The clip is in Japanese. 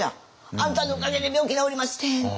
あんたのおかげで病気治りましてんって。